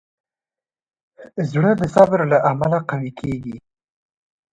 زړه د صبر له امله قوي کېږي.